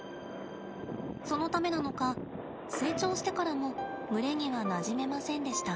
そのためなのか成長してからも群れにはなじめませんでした。